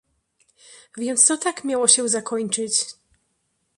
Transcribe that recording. "więc to tak miało się zakończyć!"